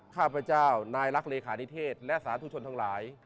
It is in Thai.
ข้าพเจ้านายรักเลขานิเทศและสาธุชนทั้งหลาย